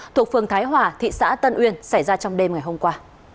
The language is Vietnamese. thuộc phường thái hòa thị xã tân uyên xảy ra trong đêm ngày hôm qua